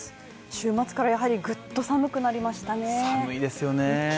週末からやはりぐっと寒くなりましたね